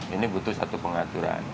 ini butuh satu pengaturan